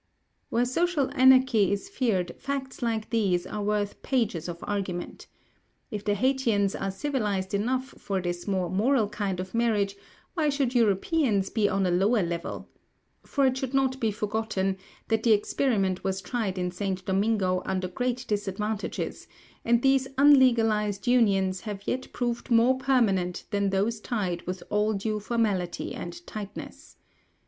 Where social anarchy is feared, facts like these are worth pages of argument. If the Haytians are civilised enough for this more moral kind of marriage, why should Europeans be on a lower level? For it should not be forgotten that the experiment was tried in St. Domingo under great disadvantages, and these unlegalised unions have yet proved more permanent than those tied with all due formality and tightness.